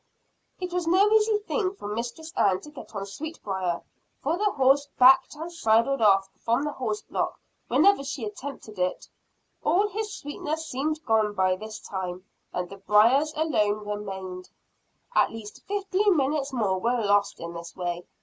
It was no easy thing for Mistress Ann to get on Sweetbriar, for the horse backed and sidled off from the horse block whenever she attempted it all his sweetness seemed gone by this time, and the briars alone remained. At least fifteen minutes more were lost in this way.